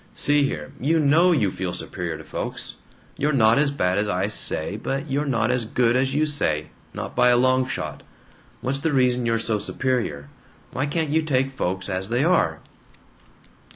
See here: You KNOW you feel superior to folks. You're not as bad as I say, but you're not as good as you say not by a long shot! What's the reason you're so superior? Why can't you take folks as they are?"